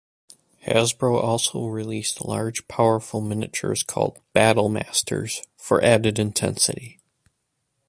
Hasbro also released large, powerful miniatures called "Battle Masters," for added intensity.